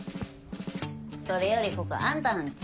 それよりここあんたらん家？